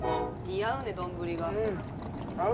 似合うね丼が。